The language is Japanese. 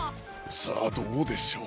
さあどうでしょう？